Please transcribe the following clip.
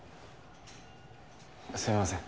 すいません。